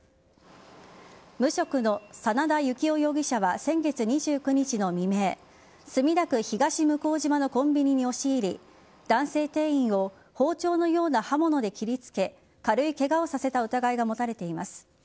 無職の真田行男容疑者は先月２９日の未明墨田区東向島のコンビニに押し入り男性店員を包丁のような刃物で切りつけ軽いケガをさせた疑いが持たれています。